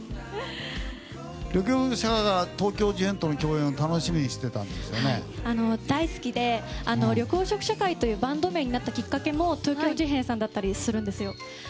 緑黄色社会は東京事変との共演大好きで緑黄色社会というバンド名になったきっかけも東京事変さんだったりするんですよ。